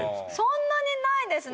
そんなにないですね。